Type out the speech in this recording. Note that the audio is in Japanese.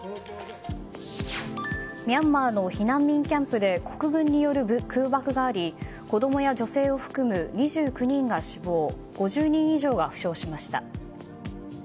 ミャンマーの避難民キャンプで国軍による空爆があり子供や女性を含む２９人が死亡５０人以上が負傷しました。